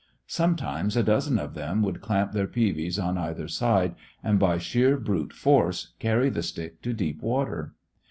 Sometimes a dozen of them would clamp their peavies on either side, and by sheer brute force carry the stick to deep water.